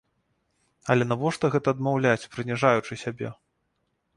Але навошта гэта адмаўляць, прыніжаючы сябе?